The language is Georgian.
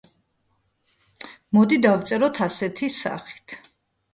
მოდი, დავწეროთ ასეთი სახით.